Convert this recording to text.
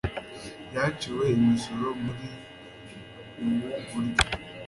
ryaciwe imisoro muri ubwo buryo